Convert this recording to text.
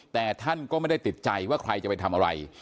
แต่ท่านก็ไม่ได้ติดใจว่าใครจะไปทำอะไร